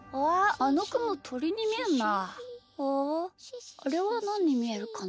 ああれはなににみえるかな？